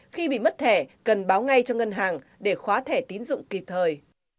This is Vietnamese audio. khi bị mất thẻ cần báo ngay cho ngân hàng để khóa thẻ tín dụng kịp thời